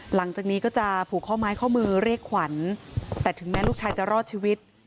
หลังจากนี้ก็จะผูกข้อไม้ข้อมือเรียกขวัญแต่ถึงแม้ลูกชายจะรอดชีวิต